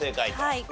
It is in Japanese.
はい。